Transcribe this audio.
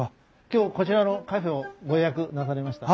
今日こちらのカフェをご予約なされました？